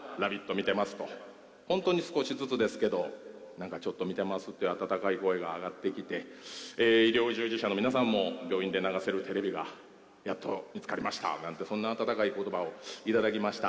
見てますと、本当に少しずつですけれどちょっと見てますという暖かい声が上がってきて医療従事者の皆さんも病院で流せるテレビがやっと見つかりましたとそんな温かい言葉をいただきました。